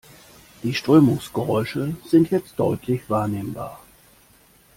Die Strömungsgeräusche sind jetzt deutlich wahrnehmbar.